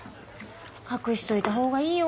隠しといた方がいいよ。